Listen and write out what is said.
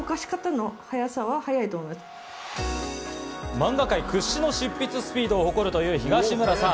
漫画界屈指の執筆スピードを誇るという東村さん。